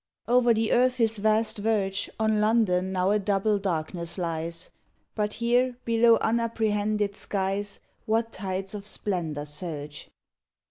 Over the earth s vast verge On London now a double darkness lies; But here below unapprehended skies What tides of splendor surge!